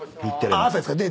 朝ですか？